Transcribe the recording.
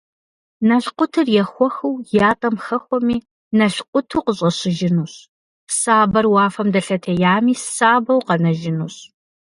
Налъкъутыр ехуэхыу ятӏэм хэхуэми, налъкъуту къыщӏэщыжынущ, сабэр уафэм дэлъэтеями, сабэу къэнэжынущ.